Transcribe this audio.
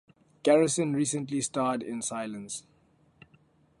Garrison recently starred in Silence!